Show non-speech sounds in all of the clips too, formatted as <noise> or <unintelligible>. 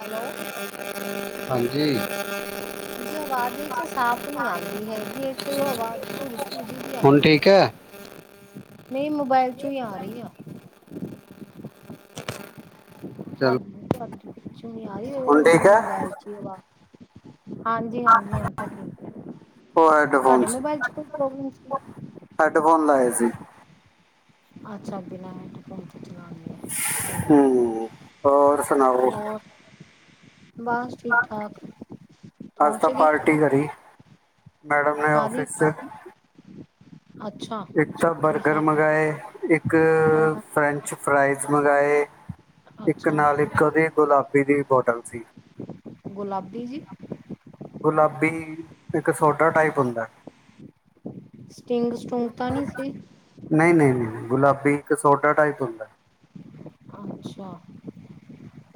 Hello. ਹਾਂਜੀ। <inaudible> ਹਾਂਜੀ ਆਵਾਜ਼ <unintelligible> ਵਿਚ ਸਾਫ਼ ਨੀ ਆਂਦੀ ਹੈਗੀ ਏ ਚ ਆਵਾਜ਼ ਪੁੜ ਪੁ ਜੀ ਦੀ ਹੁਣ ਆਂਦੀ ਐ। ਠੀਕ ਹੈ ਨਈ ਮੋਬਾਇਲ ਚੋਂ ਈ ਆ ਰੀ ਆ। <unintelligible> ਚਲ ਆਈ ਹੁਣ ਠੀਕ ਜਿਵੇਂ ਹੈ ਮੋਬਾਇਲ ਚ ਈ ਅਵਾ ਹਾਂਜੀ-ਹਾਂਜੀ ਹੁਣ ਤਾਂ ਠੀਕ ਐ ਉਹ ਹੈੱਡਫੋਨ ਤੁਹਾਡੇ ਮੋਬਾਇਲ ਚ ਕੋਈ ਪ੍ਰੋਬਲਮ ਸੀ ਹੈਡਫੋਨ ਲਾਏ ਸੀ। ਅੱਛਾ ਬਿਨਾ ਹੈਡਫੋਨ ਤੋਂ ਚਲਾਨੀ ਆ। ਠੀਕ ਐ ਹੂੰ ਹੋਰ ਸੁਣਾਓ ਹੋਰ? ਬਸ ਠੀਕ-ਠਾਕ ਅੱਜ ਤਾਂ ਪਾਰਟੀ ਕਰੀ ਮੈਡਮ ਨੇ ਕਾਹਦੀ ਔਫਿਸ ਚ। ਅੱਛਾ। ਇੱਕ ਤਾਂ ਕੀ ਬਰਗਰ ਖਾਣਾ ਮੰਗਵਾਏ ਇੱਕ ਹਾਂ ਫਰੈਂਚ ਫਰਾਈਸ ਮੰਗਾਏ ਇੱਕ ਅੱਛਾ ਨਾਲ ਇੱਕ ਉਦੀ ਗੁਲਾਬੀ ਦੀ ਬੋਟਲ ਸੀ। ਗੁਲਾਬੀ ਜੀ? ਗੁਲਾਬੀ ਇੱਕ ਸੋਡਾ ਟਾਈਪ ਹੁੰਦਾ। ਸਟਿੰਗ ਸਟੁੰਗ ਤਾਂ ਨੀ ਸੀ? ਨਈ-ਨਈ-ਨਈ ਗੁਲਾਬੀ ਇੱਕ ਸੋਡਾ ਟਾਈਪ ਹੁੰਦੈ। ਅੱਛਾ!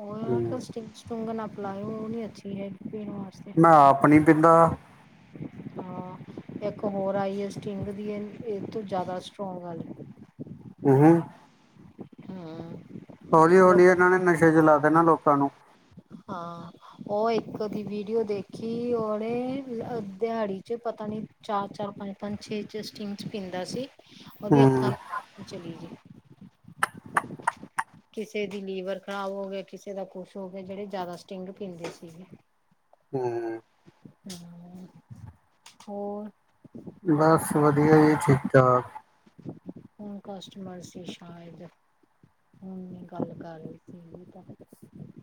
ਉਨ੍ਹਾਂ ਦੇ ਹੂੰ ਵਿੱਚ ਸੁੰਗਣ ਆਪਲਾਓ। ਉਹ ਨੀ ਅੱਛੀ ਹੈਗੀ ਪੀ ਮੈਂ ਆਪ ਨੀ ਪੈਂਦਾ ਹਾਂ। ਇੱਕ ਹੋਰ ਆਈ ਹੈ। ਸਟਿੰਗ ਦੀ ਇਹ ਤੋਂ ਜ਼ਿਆਦਾ ਸਟਰੋਂਗ ਗੱਲ ਹ ਹਮ ਹਮ ਹੌਲੀ- ਹੌਲੀ, ਇਹਨਾਂ ਨੇ ਨਸ਼ੇ ਚ, ਲਾ ਦੇਣਾ ਲੋਕਾਂ ਨੂੰ ਹਾਂ ਉਹ ਇੱਕ ਦੀ ਵੀਡੀਓ ਦੇਖੀ। ਉਹ ਓਹਨੇ ਦਿਹਾੜੀ ਚ ਪਤਾ ਨੀ ਚਾਰ -ਚਾਰ, ਪੰਜ- ਪੰਜ, ਛੇ ਚ ਸਟੀਮ ਚ ਪੀਂਦਾ ਸੀ। ਉਹਦੀ ਹੂੰ ਅੱਖਾਂ ਚਲੀ ਗਈ। ਕਿਸੇ ਦੀ ਲੀਵਰ ਖ਼ਰਾਬ ਹੋ ਗਿਆ। ਕਿਸੇ ਦਾ ਕੁਛ ਹੋ ਗਿਆ ਜਿਹੜੇ ਜ਼ਿਆਦਾ ਸਟਿੰਗ ਪੀਂਦੇ ਸੀਗੇ <inaudible> ਹੂੰ ਹੂੰ, ਹੋਰ ਬੱਸ ਵਧੀਆ ਜੀ। ਠੀਕ -ਠਾਕ ਹੁਣ ਕਸਟਮਰ ਸੀ। ਸ਼ਾਇਦ ਹੁਣ ਗੱਲ ਕਰ ਰਹੀ ਸੀ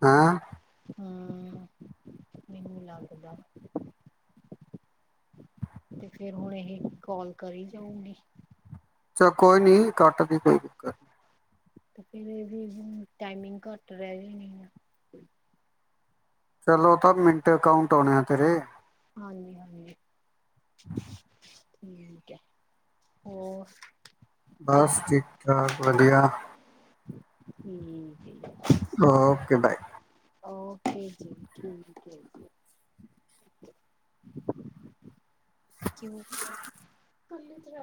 ਹਾਂ ਹੂੰ, ਮੈਂਨੂੰ ਲੱਗਦਾ। ਤੇ ਫੇਰ ਹੁਣ ਇਹ ਕਾਲ ਕਰੀ ਜਾਊਗੀ। ਚਲ ਕੋਈ ਨੀ। ਕੱਟਦੀ ਕੋਈ ਚਕਰ ਨੀ। ਫਿਰ ਇਹ ਵੀ ਹੁਣ ਟਾਈਮਿੰਗ ਘੱਟ ਰਹਿ ਜਾਣੀ ਆ। ਚਲੋ ਓ। ਤਾਂ ਮਿੰਟ ਅਕਾਊਂਟ ਹੋਣਿਆ ਤੇਰੇ। ਹਾਂਜੀ -ਹਾਂਜੀ ਠੀਕ ਹੈ। ਹੋਰ ਬੱਸ ਕਿੱਦਾਂ ਠੀਕ -ਠਾਕ ਵਧੀਆ। ਠੀਕ ਏ। ਓ ਕੇ ਬਾਏ। ਓ ਕੇ ਜੀ। ਠੀਕ ਹੈ ਜੀ। ਕਿਉਂ